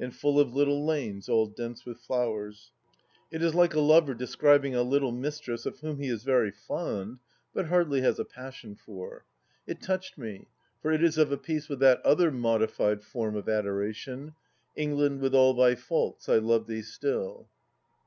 And full of little lanes all dense with flowers." ... It is like a lover describing a little mistress of whom he is very fond, but hardly has a passion for. ... It touched me, for it is of a piece with that other modified form of adoration :" England, with all thy faults, I love thee still."